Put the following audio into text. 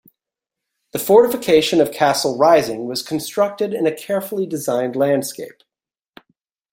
The fortification of Castle Rising was constructed in a carefully designed landscape.